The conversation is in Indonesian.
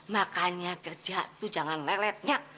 makanya kerja tuh jangan lelet nyak